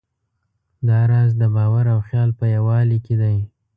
دا راز د باور او خیال په یووالي کې دی.